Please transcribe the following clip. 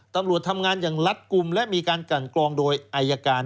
ตำรวจทำงานอย่างรัฐกลุ่มและมีการกันกรองโดยอายการ